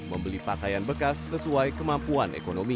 membeli pakaian bekas sesuai dengan kemampuan pakaian impor